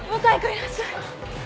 いらっしゃい。